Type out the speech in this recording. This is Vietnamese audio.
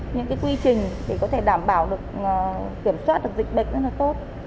những cái quy trình thì có thể đảm bảo được kiểm soát được dịch bệnh rất là tốt